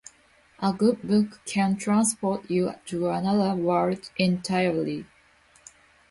A good book can transport you to another world entirely.